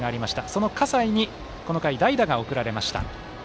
その葛西に代打が送られました。